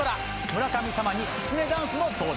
村神様にきつねダンスも登場！